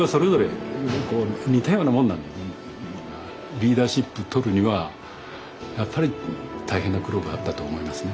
リーダーシップとるにはやっぱり大変な苦労があったと思いますね。